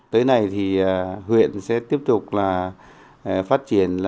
tới nay thì huyện sẽ tiếp tục phát triển